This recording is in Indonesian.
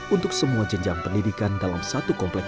untuk semua jenjang pendidikan dalam satu kompleks